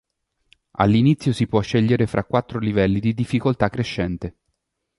All'inizio si può scegliere fra quattro livelli di difficoltà crescente.